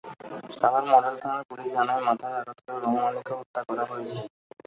Savar model থানার police জানায়, মাথায় আঘাত করে রহম আলীকে হত্যা করা হয়েছে।